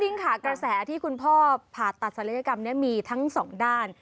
จริงค่ะกระแสที่คุณพ่อผ่าตัดศัลยกรรมนี้มีทั้งสองด้าน